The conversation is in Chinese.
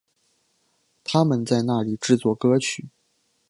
他们在那里制作歌曲。